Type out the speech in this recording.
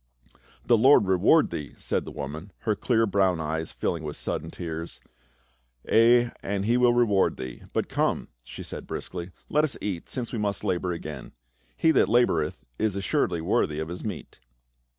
"The Lord reward thee!" said the woman, her clear brown eyes filling with sudden tears. " Ay, and he will reward thee. But come," she added briskly, " let us eat, since we must again labor ; he that labor eth is assuredly worthy of his meat."